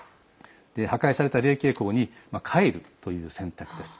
破壊されたレイケイコーに帰るという選択です。